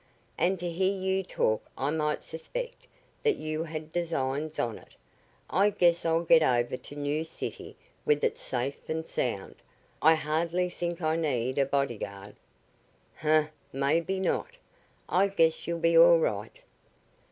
"And to hear you talk I might suspect that you had designs on it. I guess I'll get over to New City with it safe and sound. I hardly think I need a bodyguard." "Humph! Maybe not. I guess you'll be all right."